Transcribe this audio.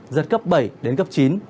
giật cấp bảy đến cấp chín